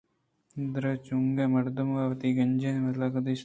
دارچِنوکیں مرد ءَ کہ وتی گنج ءُ مِلکت دیست